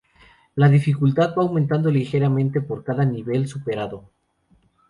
La dificultad va aumentando ligeramente por cada nivel superado.